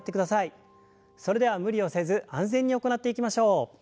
それでは無理をせず安全に行っていきましょう。